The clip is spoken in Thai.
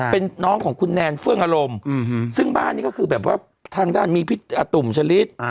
เป็นน้องของคุณแนนเฟื่องอารมณ์ซึ่งบ้านนี้ก็คือแบบว่าทางด้านมีพี่อาตุ่มชะลิด